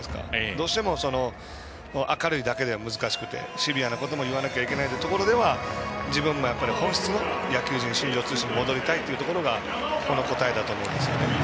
どうしても明るいだけじゃ難しくてシビアなことも言わなきゃいけないという中では自分が本質の野球人・新庄剛志に戻りたいというところがこの答えだと思いますね。